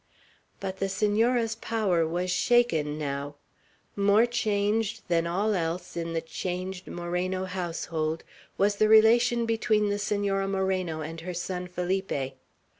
But the Senora's power was shaken now. More changed than all else in the changed Moreno household, was the relation between the Senora Moreno and her son Felipe.